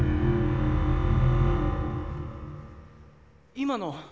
今の。